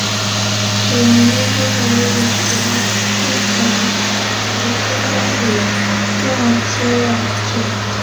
九龙溜冰场位于九龙旺角弥敦道与亚皆老街。